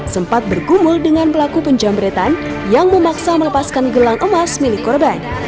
sempat bergumul dengan pelaku penjamretan yang memaksa melepaskan gelang emas milik korban